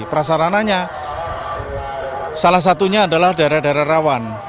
prasarananya salah satunya adalah daerah daerah rawan